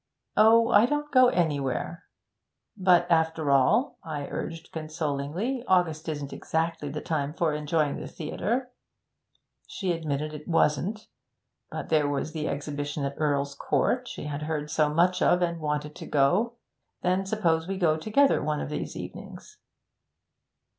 "Oh, I don't go anywhere." "But after all," I urged consolingly, "August isn't exactly the time for enjoying the theatre." She admitted it wasn't; but there was the Exhibition at Earl's Court, she had heard so much of it, and wanted to go. "Then suppose we go together one of these evenings?"